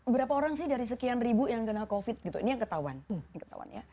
berapa orang sih dari sekian ribu yang kena covid gitu ini yang ketahuan ya